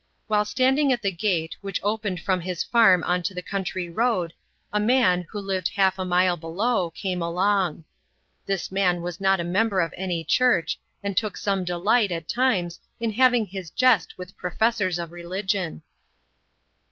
While standing at the gate, which opened from his farm on to the county road, a man, who lived half a mile below, came along. This man was not a member of any church, and took some delight, at times, in having his jest with professors of religion.